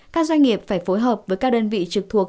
các doanh nghiệp phải phối hợp với các đơn vị trực thuộc